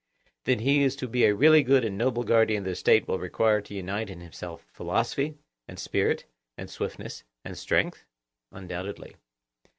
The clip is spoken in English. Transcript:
Then he who is to be a really good and noble guardian of the State will require to unite in himself philosophy and spirit and swiftness and strength? Undoubtedly.